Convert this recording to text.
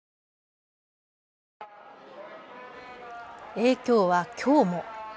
影響はきょうも。